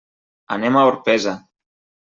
Anem a Orpesa.